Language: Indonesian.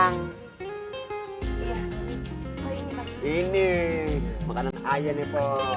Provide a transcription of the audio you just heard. nah ini pesanan ayat po